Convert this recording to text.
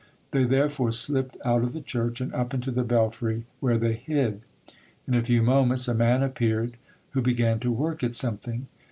They therefore slipped out of the church, and up into the belfry, where they hid. In a few moments a man appeared who began to work at something.